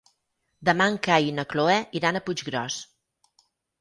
Demà en Cai i na Cloè iran a Puiggròs.